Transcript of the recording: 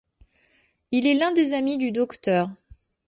Il est l'un des amis du Docteur.